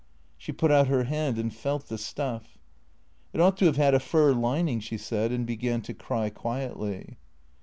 She put out her hand and felt the stuff. " It ought to have had a fur lining," she said, and began to cry quietly.